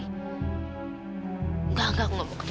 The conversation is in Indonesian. enggak enggak aku gak mau akut